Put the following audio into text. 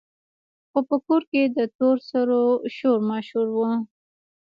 خو په کور کې د تور سرو شور ماشور وو.